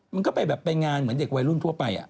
มันก็ไปแบบไปงานเหมือนเด็กวัยรุ่นทั่วไป